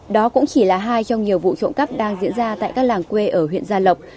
đó cũng chỉ là hai trong nhiều vụ trộm cắp đang diễn ra tại các làng quê ở huyện gia lộc